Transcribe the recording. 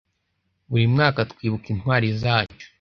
Buri mwaka twibuka intwari zacu